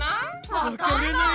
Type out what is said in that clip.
わかんない！